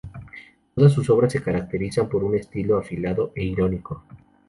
Todas sus obras se caracterizan por un estilo afilado e irónico.